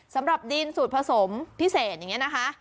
สำหรับดินสูตรผสมพิเศษอย่างนี้นะคะ